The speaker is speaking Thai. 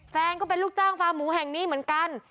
ก็เป็นลูกจ้างฟาร์มหมูแห่งนี้เหมือนกัน